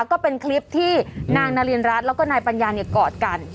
ก็เป็นคลิปที่นางนารินรัฐแล้วก็นายปัญญาเนี่ยกอดกัน